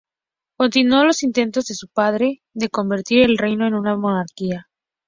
Continuó las intentos de su padre de convertir el reino en una monarquía constitucional.